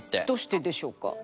どうしてでしょうか？